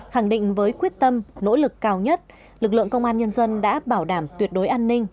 khẳng định với quyết tâm nỗ lực cao nhất lực lượng công an nhân dân đã bảo đảm tuyệt đối an ninh